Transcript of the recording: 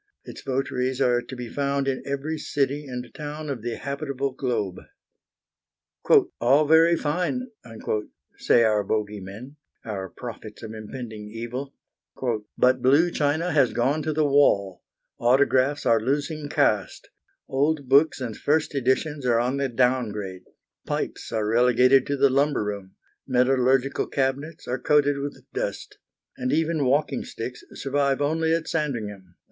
Its votaries are to be found in every city and town of the habitable globe. "All very fine," say our bogey men, our prophets of impending evil; "but blue china has gone to the wall, autographs are losing caste, old books and first editions are on the downgrade, pipes are relegated to the lumber room, metallurgical cabinets are coated with dust, and even walking sticks survive only at Sandringham!"